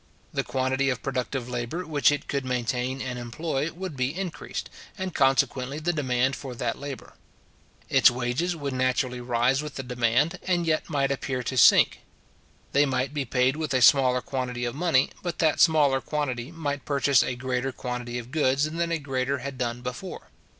The quantity of productive labour which it could maintain and employ would be increased, and consequently the demand for that labour. Its wages would naturally rise with the demand, and yet might appear to sink. They might be paid with a smaller quantity of money, but that smaller quantity might purchase a greater quantity of goods than a greater had done before.